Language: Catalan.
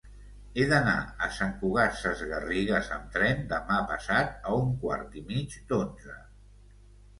He d'anar a Sant Cugat Sesgarrigues amb tren demà passat a un quart i mig d'onze.